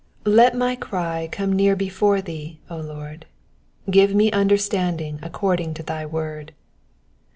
LET my cry come near before thee, O Lord : give me understanding according to thy word.